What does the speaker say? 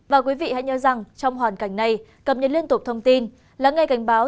và quý vị hãy nhớ rằng trong hoàn cảnh này cập nhật liên tục thông tin lắng nghe cảnh báo